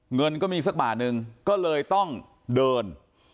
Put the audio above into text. เงินก็มีสักบาทนึงก็เลยต้องเดิน